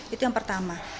itu yang pertama